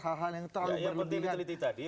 hal hal yang terlalu berlebihan